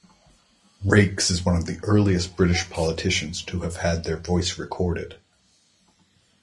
Raikes is one of the earliest British politicians to have had their voice recorded.